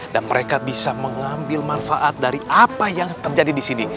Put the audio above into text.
dan mereka bisa mengambil manfaat dari apa yang terjadi disini